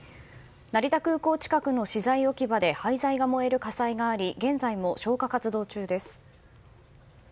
成田空港近くの資材置き場で廃材が燃える火災があり現在も消火活動中です。